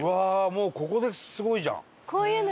もうここですごいじゃん。